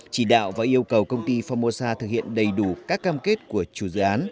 chỉ đạo và yêu cầu công ty formosa thực hiện đầy đủ các cam kết của chủ dự án